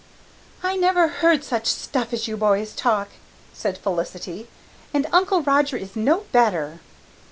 "I never heard such stuff as you boys talk," said Felicity, "and Uncle Roger is no better."